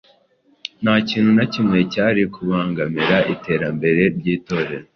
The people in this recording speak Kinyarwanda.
Nta kintu na kimwe cyari kubangamira iterambere ry’Itorero.